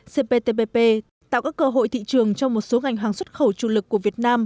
cptpp tạo các cơ hội thị trường cho một số ngành hàng xuất khẩu chủ lực của việt nam